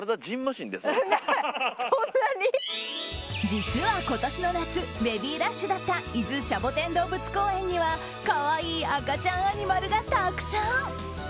実は今年の夏ベビーラッシュだった伊豆シャボテン動物公園には可愛い赤ちゃんアニマルがたくさん。